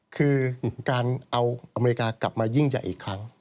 คือการเอาอเมริกากลับมายิ่งใหญ่อีกครั้ง